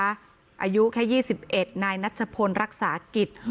อายุแค่๒๑นายนัชพลรักษากิจ